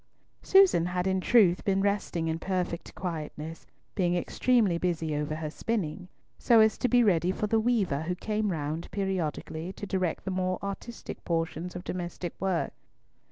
Susan had in truth been resting in perfect quietness, being extremely busy over her spinning, so as to be ready for the weaver who came round periodically to direct the more artistic portions of domestic work.